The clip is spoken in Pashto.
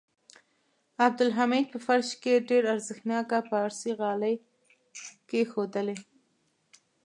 عبدالحمید په فرش کې ډېر ارزښتناکه پارسي غالۍ کېښودلې.